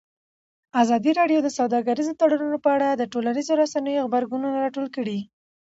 ازادي راډیو د سوداګریز تړونونه په اړه د ټولنیزو رسنیو غبرګونونه راټول کړي.